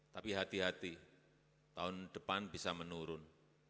tapi hati hati tahun depan bisa menurun